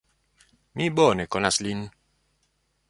Mi bone konas lin.